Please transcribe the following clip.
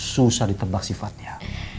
susah ditebak sifatnya